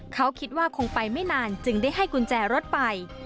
เขาคิดว่าคงไปไม่นานจึงได้ให้กุญแจรถไป